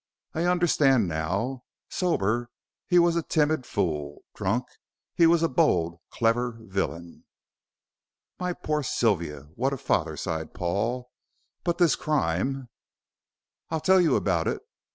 I understand now. Sober, he was a timid fool; drunk, he was a bold, clever villain." "My poor Sylvia, what a father," sighed Paul; "but this crime " "I'll tell you about it.